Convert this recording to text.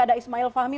ada ismail fahmi